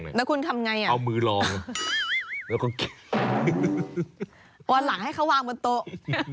เฮียวเพื่อนดงน่ะ